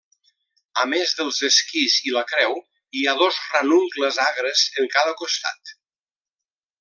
A més dels esquís i la creu, hi ha dos ranuncles agres en cada costat.